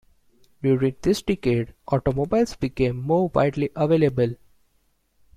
During this decade automobiles became more widely available.